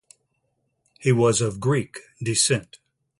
He was of Greek descent.